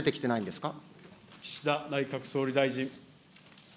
岸田内閣総理大臣。